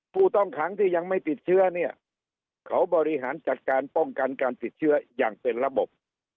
ผู้ต้องขังที่ยังไม่ติดเชื้อเนี่ยเขาบริหารจัดการป้องกันการติดเชื้ออย่างเป็นระบบ